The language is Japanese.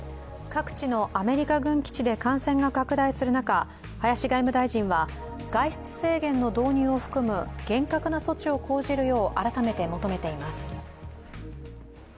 各地のアメリカ軍基地で感染が拡大する中、林外務大臣は、外出制限の導入を含む厳格な措置を講じるよう改めて求めています。